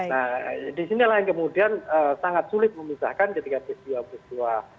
nah di sinilah yang kemudian sangat sulit memisahkan ketika di situa situa